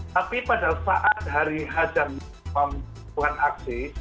tapi pada saat hari hajam bukan aksi